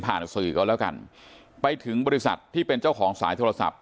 สื่อก็แล้วกันไปถึงบริษัทที่เป็นเจ้าของสายโทรศัพท์